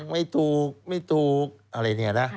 ไม่ถูกไม่ถูกอะไรอย่างนี้นะ